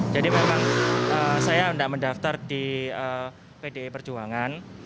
jadi memang saya tidak mendaftar di pdi perjuangan